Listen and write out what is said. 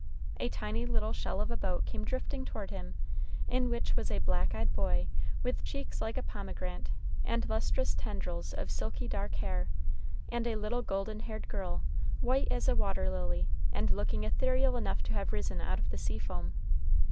A tiny little shell of a boat came drifting toward him, in which was a black eyed boy, with cheeks like a pomegranate and lustrous tendrils of silky dark hair, and a little golden haired girl, white as a water lily, and looking ethereal enough to have risen out of the sea foam.